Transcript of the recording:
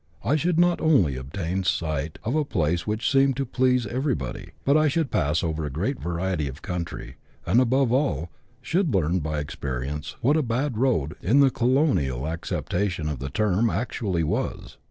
I should not only obtain sight of a place which seemed to please everybody, but I should pass over a great variety of country, and, above all, should learn by experience what a bad road, in the colonial acceptation of the term, actually was.